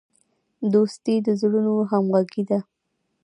دوستي د زړونو همغږي ده.